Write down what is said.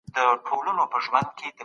آيا په تېر کي فکري تنوع حرامه وه؟